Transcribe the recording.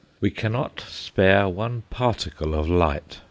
We cannot spare one particle of light.